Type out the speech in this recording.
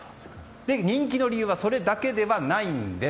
人気の理由はそれだけではないんです。